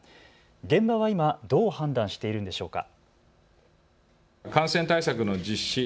現場は今、どう判断しているんでしょうか。